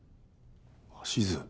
鷲津。